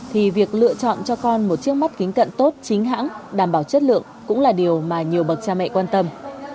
thì việc lựa chọn cho con một trước mắt kính cận tốt chính hãng đảm bảo chất lượng cũng là điều mà nhiều bậc cha mẹ quan tâm